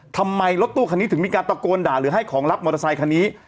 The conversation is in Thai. รถตู้คันนี้ถึงมีการตะโกนด่าหรือให้ของรับมอเตอร์ไซคันนี้